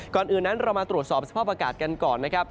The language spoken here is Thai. ก่อนอื่นนั้นเรามาตรวจสอบสภาพอากาศกันก่อนนะครับ